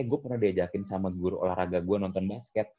gue pernah diajakin sama guru olahraga gue nonton basket